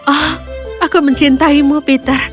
oh aku mencintaimu peter